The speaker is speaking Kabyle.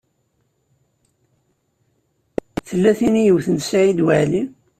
Tella tin i yewten Saɛid Waɛli?